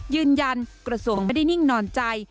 ยืนยันกระทรวงไม่ได้นิ่งนอนใจ